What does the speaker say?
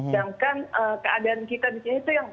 sedangkan keadaan kita disini itu yang